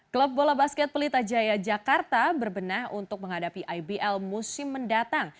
klub bola basket pelita jaya jakarta berbenah untuk menghadapi ibl musim mendatang